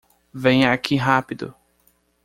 Venha aqui rápido!